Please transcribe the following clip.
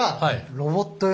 ロボット用？